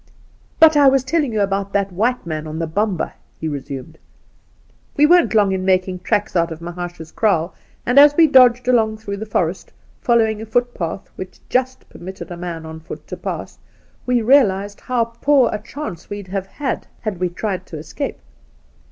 ' But I was telling you about that white man on the Bomba,' he resumed. ' Well, we weren't long in. making tracks out of Mahaash's kraal, and as we dodged along through the forest, following a foot path which just permitted a man on foot to pass, we realized how poor a chance we'd have had had we tried to escape.